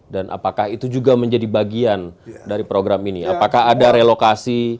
dan apakah itu juga menjadi bagian dari program ini apakah ada relokasi